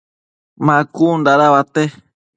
ma cun dada uate ?